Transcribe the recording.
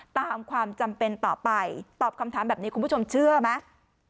ตามความจำเป็นต่อไปตอบคำถามแบบนี้คุณผู้ชมเชื่อไหม